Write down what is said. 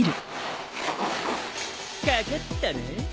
かかったな。